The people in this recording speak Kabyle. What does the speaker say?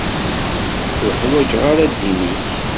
Ur ḥwaǧeɣ ara ddin-ik.